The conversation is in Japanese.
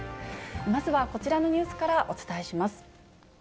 まずはこちらのニュースからお伝えします。